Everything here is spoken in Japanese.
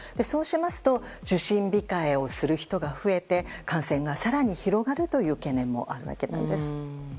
そうしますと受診控えをする人が増えて感染が更に広がるという懸念もあるわけです。